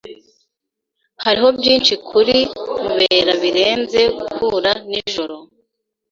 Hariho byinshi kuri Mubera birenze guhura nijisho.